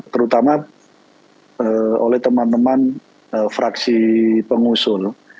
terutama oleh teman teman fraksi pengusul